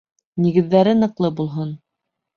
Нигеҙҙәре ныҡлы булһын!